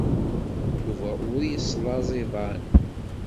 Yuba ur yeslaẓ iḍan.